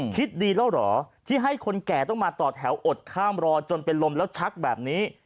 คิดดีแล้วเหรอที่ให้คนแก่ต้องมาต่อแถวอดข้ามรอจนเป็นลมแล้วชักแบบนี้